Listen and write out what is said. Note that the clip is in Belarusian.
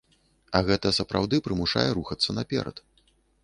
А гэта сапраўды прымушае рухацца наперад.